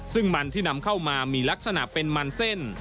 ซึ่งมันที่นำเข้ามามีลักษณะเป็นมันเส้น